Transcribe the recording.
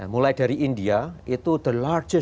mulai dari india